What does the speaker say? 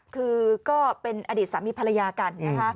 คือก็เป็นอดีตสามีภรรยากันนะคะ